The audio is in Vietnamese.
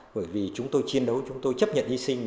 bởi vì chúng tôi chiến đấu chúng tôi chấp nhận hy sinh